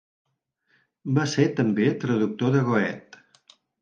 Va ser també traductor de Goethe.